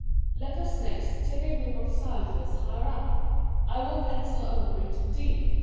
" Let us next take a group of cyphers higher up ; I will pencil over it D.